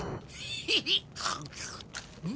ヘヘッ。